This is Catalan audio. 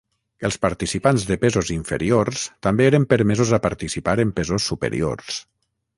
Els participants de pesos inferiors també eren permesos a participar en pesos superiors.